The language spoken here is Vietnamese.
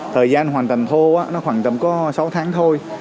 thời gian hoàn toàn thô khoảng tầm có sáu tháng thôi